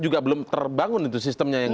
juga belum terbangun itu sistemnya yang